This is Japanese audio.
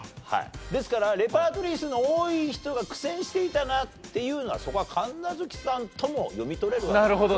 ですからレパートリー数の多い人が苦戦していたなっていうのはそこは神奈月さんとも読み取れるわけです。